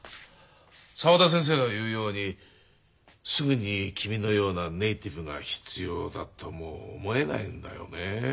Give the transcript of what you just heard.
沢田先生が言うようにすぐに君のようなネイティブが必要だとも思えないんだよね。